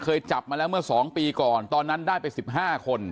เคยจับมาแล้วเมื่อสองปีก่อนตอนนั้นได้ไปสิบห้าคน